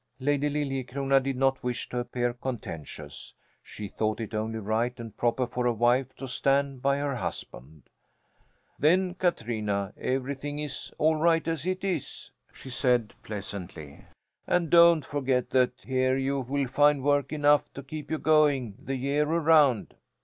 Lady Liljecrona did not wish to appear contentious. She thought it only right and proper for a wife to stand by her husband. "Then, Katrina, everything is all right as it is," she said pleasantly. "And don't forget that here you will find work enough to keep you going the year around."